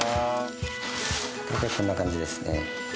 大体こんな感じですね。